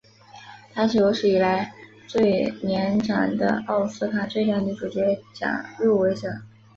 她是有史以来最年长的奥斯卡最佳女主角奖入围者。